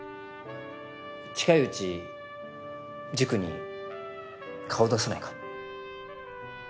近いうち塾に顔出さないか？